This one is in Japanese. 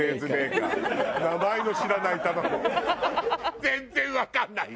全然わかんないよ。